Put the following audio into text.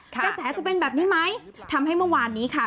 จะเป็นแบบนี้ไหมทำให้เมื่อวานนี้ค่ะ